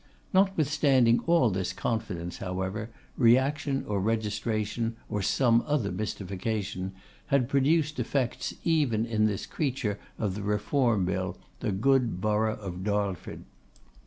Notwithstanding all this confidence, however, Reaction or Registration, or some other mystification, had produced effects even in this creature of the Reform Bill, the good Borough of Darlford.